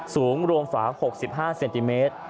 สูงรวมฝา๖๕เซนติเมตร